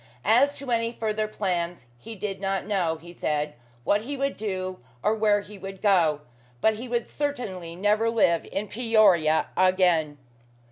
As to any further plans, he did not know, he said, what he would do, or where he would go; but he would certainly never live in Peoria again.